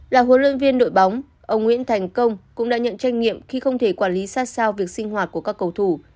là huấn luyện viên đội bóng ông nguyễn thành công cũng đã nhận trách nhiệm khi không thể quản lý sát sao việc sinh hoạt của các cầu thủ